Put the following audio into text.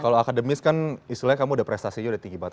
kalau akademis kan istilahnya kamu udah prestasinya udah tinggi banget